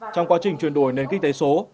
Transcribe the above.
trong quá trình chuyển đổi nền kinh tế số